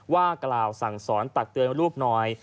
ว่ากล่าวสั่งสอนตักเตือนลูกหน่อย